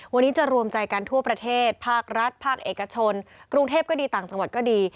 วันนี้จะรวมใจกันทั่วประเทศภาครัฐภาคเอกชนกรุงเทพก็ดีต่างจังหวัดก็ดี